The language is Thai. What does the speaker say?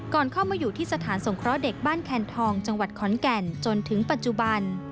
เข้ามาอยู่ที่สถานสงเคราะห์เด็กบ้านแคนทองจังหวัดขอนแก่นจนถึงปัจจุบัน